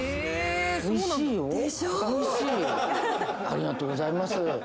ありがとうございます。